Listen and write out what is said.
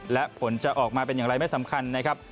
และผลจะออกมาเป็นอย่างไรไม่สำคัญนะครับ